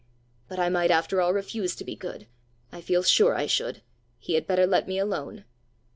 "But I might after all refuse to be good! I feel sure I should! He had better let me alone!"